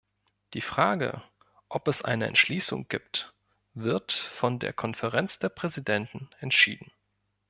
Die Frage, ob es eine Entschließung gibt, wird von der Konferenz der Präsidenten entschieden.